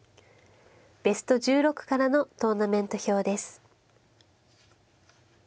ベスト１６からのトーナメント表です。